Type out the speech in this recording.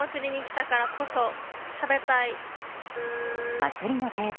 祭りの定番